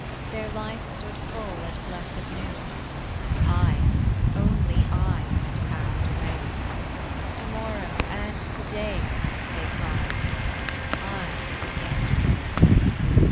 Their life stood full at blessed noon; I, only I, had passed away: "To morrow and to day," they cried; I was of yesterday.